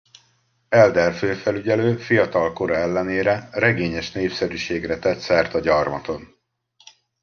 Elder főfelügyelő, fiatal kora ellenére, regényes népszerűségre tett szert a gyarmaton.